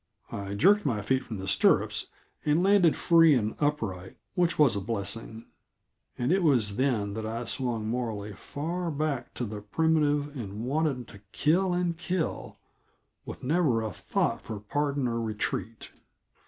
I jerked my feet from the stirrups and landed free and upright, which was a blessing. And it was then that I swung morally far back to the primitive, and wanted to kill, and kill, with never a thought for parley or retreat.